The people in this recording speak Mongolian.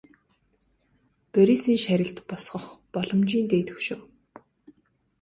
Борисын шарилд босгох боломжийн дээд хөшөө.